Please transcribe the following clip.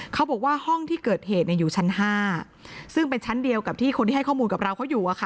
เขาบอกว่าห้องที่เกิดเหตุอยู่ชั้น๕ซึ่งเป็นชั้นเดียวกับที่คนที่ให้ข้อมูลกับเราเขาอยู่